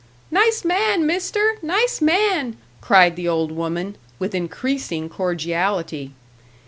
"Nice man, Mister! Nice man!" cried the old woman, with increasing cordiality.